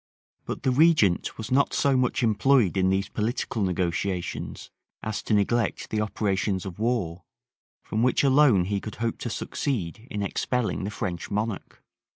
But the regent was not so much employed in these political negotiations as to neglect the operations of war, from which alone he could hope to succeed in expelling the French monarch.